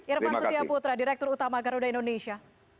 irvan setia putra direktur utama garuda indonesia